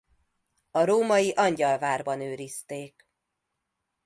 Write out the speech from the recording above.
A római Angyalvárban őrizték.